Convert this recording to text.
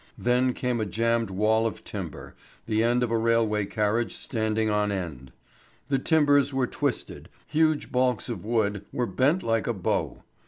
Then came a jammed wall of timber, the end of a railway carriage standing on end. The timbers were twisted, huge baulks of wood were bent like a bow.